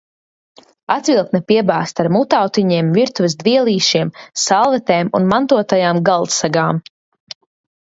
Atviktne piebāzta ar mutautiņiem, virtuves dvielīšiem, salvetēm un mantotajām galdsegām.